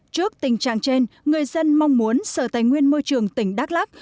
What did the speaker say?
trước tình trạng trên người dân mong muốn sở tài nguyên môi trường tỉnh đắk lắc